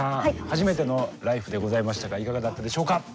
初めての「ＬＩＦＥ！」でございましたがいかがだったでしょうか？